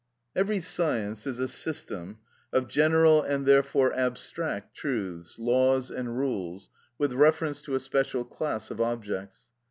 Every science is a system of general and therefore abstract truths, laws, and rules with reference to a special class of objects.